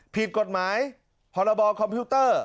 ผิดกฎหมายพรบคอมพิวเตอร์